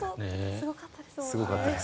すごかったですもんね。